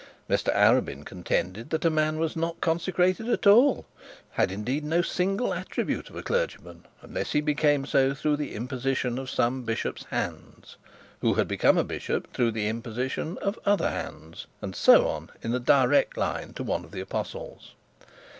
Mr Arabin contended that a man was not consecrated at all, had, indeed, no single attribute of a clergyman, unless he became so through the imposition of some bishop's hands, who had become a bishop through the imposition of other hands, and so on in a direct line to one of the apostles.